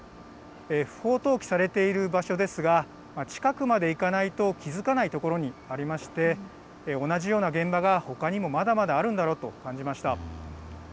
不法投棄されている場所ですが近くまで行かないと気付かないところにありまして同じような現場がほかにもまだまだあるんだろうと感じました。